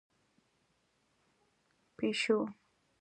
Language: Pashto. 🐈 پېشو